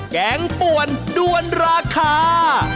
แกงป่วนด้วนราคา